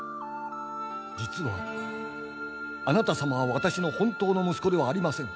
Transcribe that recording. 実はあなた様は私の本当の息子ではありませぬ。